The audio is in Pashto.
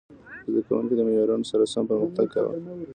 زده کوونکي د معیارونو سره سم پرمختګ کاوه.